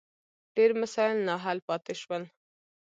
ډېر مسایل نا حل پاتې شول.